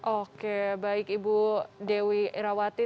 oke baik ibu dewi irawati